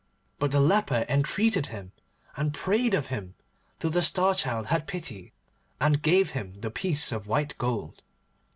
But the leper entreated him, and prayed of him, till the Star Child had pity, and gave him the piece of white gold.